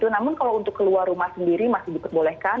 namun kalau untuk keluar rumah sendiri masih diperbolehkan